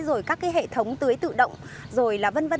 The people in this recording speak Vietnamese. rồi các cái hệ thống tưới tự động rồi là vân vân